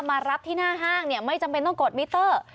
มารับที่หน้าห้างไม่จำเป็นต้องกดมิเตอร์